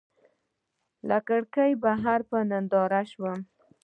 له کړکۍ بهر په ننداره شوم.